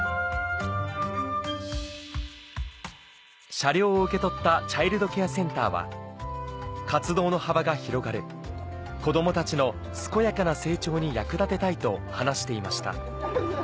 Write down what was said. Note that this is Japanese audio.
車両を受け取ったチャイルドケアセンターは「活動の幅が広がる子どもたちの健やかな成長に役立てたい」と話していました